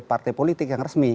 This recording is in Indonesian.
partai politik yang resmi